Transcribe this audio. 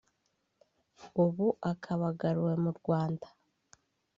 ubu akaba agaruwe mu Rwanda